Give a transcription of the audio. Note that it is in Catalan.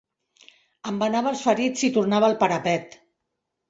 Embenava els ferits i tornava al parapet